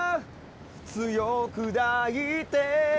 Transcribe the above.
強く抱いて